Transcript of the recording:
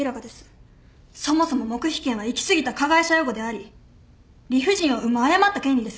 そもそも黙秘権は行きすぎた加害者擁護であり理不尽を生む誤った権利です。